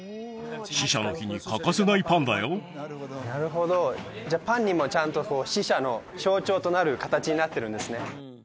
死者の日に欠かせないパンだよなるほどじゃあパンにもちゃんと死者の象徴となる形になってるんですね